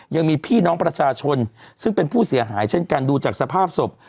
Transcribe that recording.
ยังมีพี่น้องประชาชนซึ่งเป็นผู้เสียหายเช่นกันดูจากสภาพศพ